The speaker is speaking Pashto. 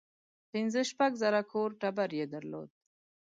پنځه شپږ زره کور ټبر یې درلود.